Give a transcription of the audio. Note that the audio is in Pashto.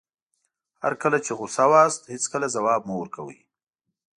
هر کله چې غوسه وئ هېڅکله ځواب مه ورکوئ.